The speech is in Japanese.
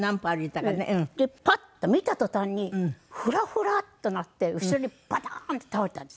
でパッと見た途端にフラフラっとなって後ろにバターンって倒れたんです。